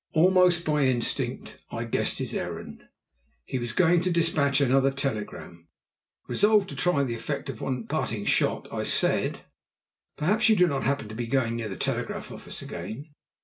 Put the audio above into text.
Almost by instinct I guessed his errand. He was going to despatch another telegram. Resolved to try the effect of one parting shot, I said: "Perhaps you do not happen to be going near the telegraph office again?